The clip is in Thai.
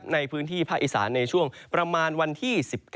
ในพื้นที่ภาคอีสานในช่วงประมาณวันที่๑๙